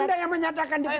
anda yang menyatakan dipecat